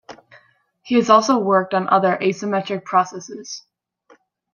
He has also worked on other asymmetric processes.